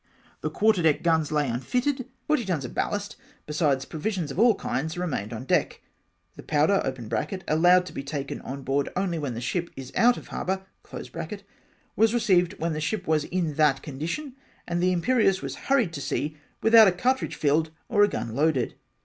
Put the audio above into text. The quarter deck guns lay unfitted, forty tons of ballast, besides provisions of all kinds, remained on deck. The powder (allowed to be taken on board only when the ship is out of harbour ) was received when the ship was in that condition, and the 7m perieuse was hurried to sea without a cartridge filled or a gun loaded